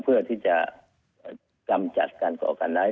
เพื่อที่จะกำจัดการก่อการร้าย